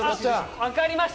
分かりました。